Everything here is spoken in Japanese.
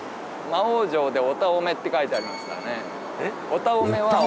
「魔王城でおたおめ」って書いてありますからね